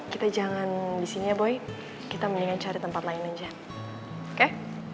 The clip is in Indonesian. kita jangan di sini ya boy kita mendingan cari tempat lain aja oke